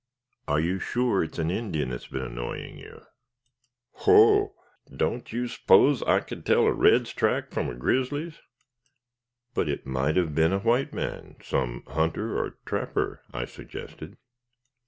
"Are you sure it is an Indian who has been annoying you?" "Wogh! Don't you s'pose I could tell a red's track from a grizzly's?" "But it might have been a white man some hunter or trapper?" I suggested.